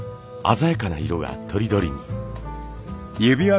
鮮やかな色がとりどりに。